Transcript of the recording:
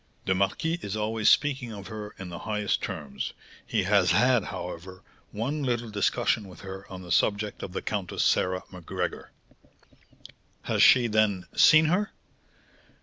"The marquis is always speaking of her in the highest terms; he has had, however, one little discussion with her on the subject of the Countess Sarah Macgregor." "Has she, then, seen her?"